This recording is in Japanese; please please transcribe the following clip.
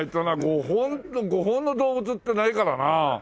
５本５本の動物ってないからな。